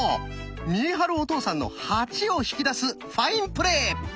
見栄晴お父さんの「８」を引き出すファインプレー。